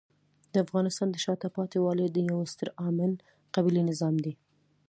د افغانستان د شاته پاتې والي یو ستر عامل قبیلې نظام دی.